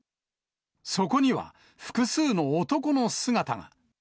そこには複数の男の姿が。